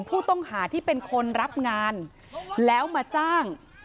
ผู้ต้องหาที่เป็นคนรับงานแล้วมาจ้าง